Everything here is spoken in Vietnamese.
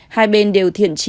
hai bên đều thiện trị